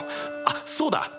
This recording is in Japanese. あっそうだ！